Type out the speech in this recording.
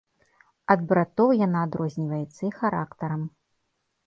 Ад братоў яна адрозніваецца і характарам.